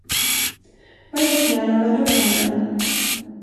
Böj på knäna och vänd upp händerna.